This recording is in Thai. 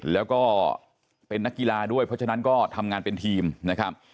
แล้วก็เป็นนักกีฬาด้วยเพราะฉะนั้นก็ทำงานเป็นทีมนะครับ